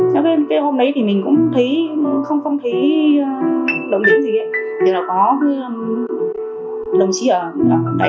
thế cái hôm đấy thì mình cũng thấy không thấy đồng điểm gì có đồng chí ở đại đội cơ quan cũng gần nhà cũng vào nhà bảo là đập cửa vậy